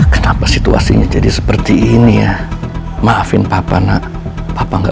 kenapa situasinya jadi seperti ini ya maafin papa nak papa enggak